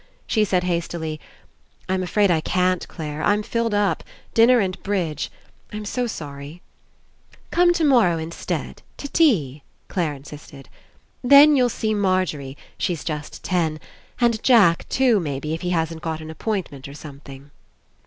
She said hastily: "I'm afraid I can't, Clare. I'm filled up. Dinner and bridge. I'm so sorry." "Come tomorrow instead, to tea," Clare 33 PASSING insisted. *'Then you'll see Margery — she's just ten — and Jack too, maybe, if he hasn't got an appointment or something."